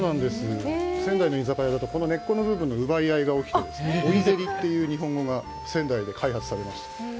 仙台の居酒屋だとこの根っこの奪い合いが起きて追いゼリという日本語が仙台で開発されました。